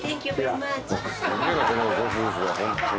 すげえなこのご夫婦はホントに。